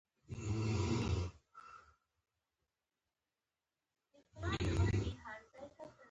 دوی د قلاب په نوم یوه وسله کاروله چې پر زنځیر تړلې وه